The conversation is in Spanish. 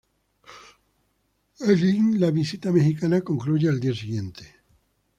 Elgin la visita mexicana concluyó el día siguiente.